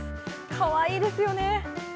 かわいいですよね。